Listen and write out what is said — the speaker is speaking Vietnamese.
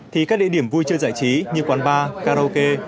thì các địa điểm vui chơi giải trí như quán bar karaoke